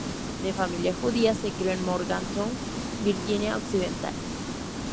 De familia judía, se crió en Morgantown, Virginia Occidental.